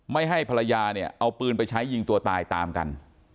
ไม่ให้ภรรยาเนี่ยเอาปืนไปใช้ยิงตัวตายตามกัน